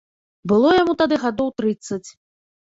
Было яму тады гадоў трыццаць.